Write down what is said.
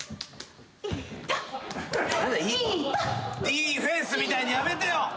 ディーフェンス！みたいにやめてよ。